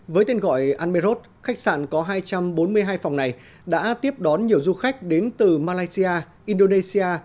với tên gọi anmerot khách sạn có hai trăm bốn mươi hai phòng này đã tiếp đón nhiều du khách đến từ malaysia indonesia